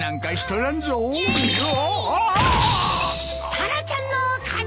タラちゃんの勝ち！